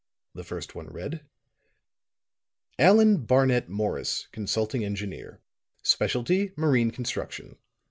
The first one ran: "Allan Barnett Morris, Consulting Engineer. Specialty, Marine Construction.